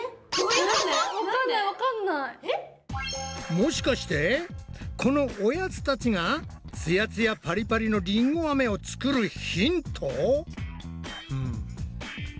もしかしてこのおやつたちがつやつやパリパリのりんごアメをつくるヒント？